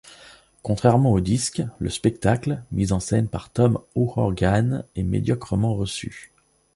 Contrairement au disque, le spectacle, mis-en-scène par Tom O’Horgan, est médiocrement reçu.